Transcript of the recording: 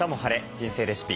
人生レシピ」。